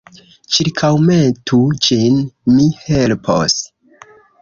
Ĉirkaŭmetu ĝin; mi helpos.